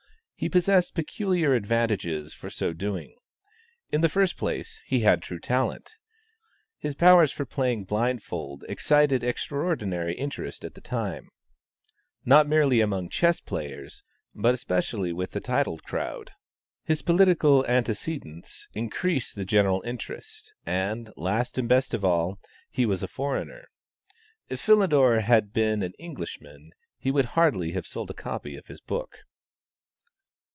He possessed peculiar advantages for so doing. In the first place he had true talent; his powers for playing blindfold excited extraordinary interest at the time, not merely amongst chess players, but especially with the titled crowd. His political antecedents increased the general interest, and, last and best of all, he was a foreigner. If Philidor had been an Englishman he would hardly have sold a copy of his book.